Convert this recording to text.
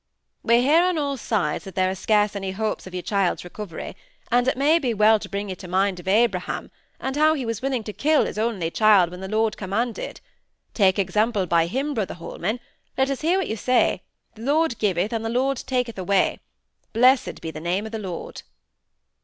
"We hear on all sides that there are scarce any hopes of your child's recovery; and it may be well to bring you to mind of Abraham; and how he was willing to kill his only child when the Lord commanded. Take example by him, Brother Holman. Let us hear you say, 'The Lord giveth and the Lord taketh away. Blessed be the name of the Lord!